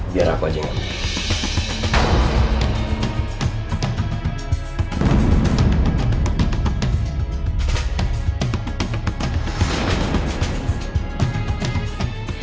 biar aku aja yang ngambil